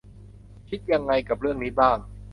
คิดยังไงกับเรื่องนี้บ้าง